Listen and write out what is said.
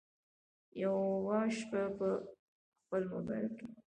یوه شپه په خپل مبایل کې